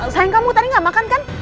sayang kamu tadi nggak makan kan